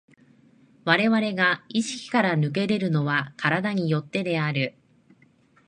我々が意識から脱け出るのは身体に依ってである。